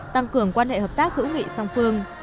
tăng cường quan hệ hợp tác hữu nghị song phương